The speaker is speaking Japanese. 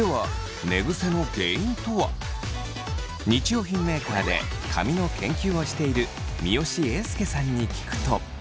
日用品メーカーで髪の研究をしている三好英輔さんに聞くと。